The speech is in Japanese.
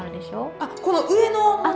あっこの上のもの？